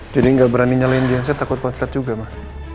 jadi gak berani nyalain dienset takut konslet juga mah